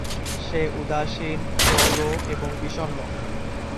সে উদাসীন, পৌঢ় এবং বিষণ্ণ।